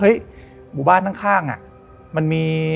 หมู่บ้านข้างมันมี